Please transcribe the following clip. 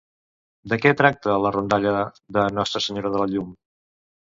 De què tracta la rondalla de Nostra Senyora de la Llum?